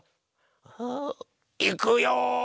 いくよ。